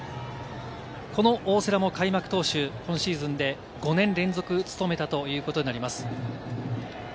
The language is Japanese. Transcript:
この大瀬良も開幕投手、今シーズンで５年連続、務めたということになります。